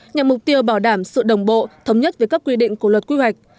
nhằm mục tiêu bảo đảm sự đồng bộ thống nhất với các quy định của luật quy hoạch